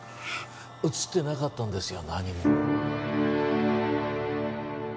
写ってなかったんですよ